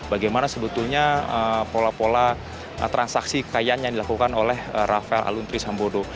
bagaimana sebetulnya pola pola transaksi kekayaan yang dilakukan oleh rafael aluntri sambodo